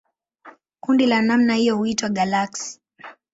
Kundi la namna hiyo huitwa galaksi.